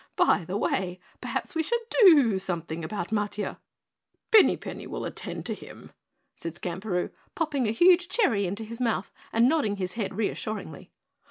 By the way, perhaps we should do something about Matiah?" "Pinny Penny will attend to him," said Skamperoo, popping a huge cherry into his mouth and nodding his head reassuringly.